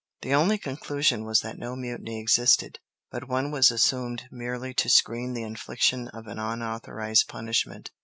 The only conclusion was that no mutiny existed, but one was assumed merely to screen the infliction of an unauthorized punishment.